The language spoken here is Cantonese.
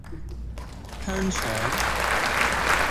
香腸